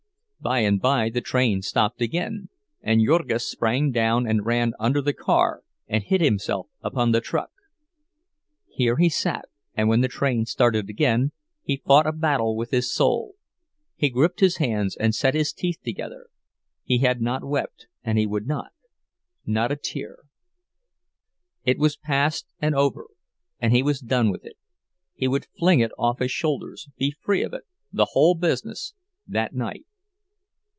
By and by the train stopped again, and Jurgis sprang down and ran under the car, and hid himself upon the truck. Here he sat, and when the train started again, he fought a battle with his soul. He gripped his hands and set his teeth together—he had not wept, and he would not—not a tear! It was past and over, and he was done with it—he would fling it off his shoulders, be free of it, the whole business, that night.